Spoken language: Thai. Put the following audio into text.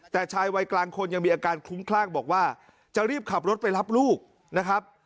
แต่ชายวัยกลางคนยังมีอาการคลุ้มคลั่งบอกว่าจะรีบขับรถไปรับลูกนะครับ